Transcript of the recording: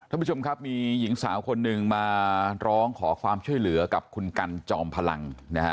ท่านผู้ชมครับมีหญิงสาวคนหนึ่งมาร้องขอความช่วยเหลือกับคุณกันจอมพลังนะฮะ